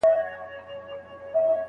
ښه معلومات مو ذهن ته انرژي ورکوي.